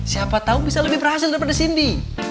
siapa tau bisa lebih berhasil daripada sindi